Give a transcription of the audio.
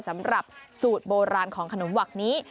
สำหรับสูตรโบราณของขนมหวักนี้